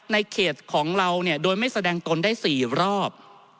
ในเขตของเราเนี่ยโดยไม่แสดงตนได้๔รอบ